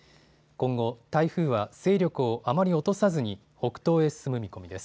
今後、台風は勢力をあまり落とさずに北東へ進む見込みです。